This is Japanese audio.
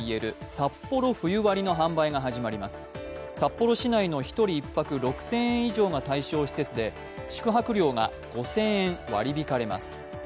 札幌市内の１人１泊６０００円以上が対象施設で宿泊料が５０００円割り引かれます。